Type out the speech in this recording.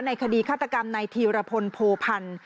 ในขดีฆาตกรรมในทีระพลโผรภัณฑ์